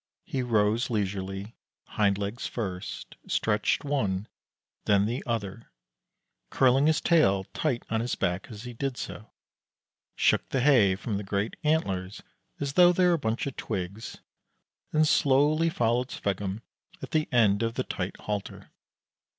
He rose leisurely, hind legs first, stretched one, then the other, curling his tail tight on his back as he did so, shook the hay from the great antlers as though they were a bunch of twigs, and slowly followed Sveggum at the end of the tight halter.